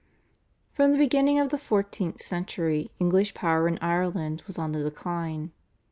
From the beginning of the fourteenth century English power in Ireland was on the decline.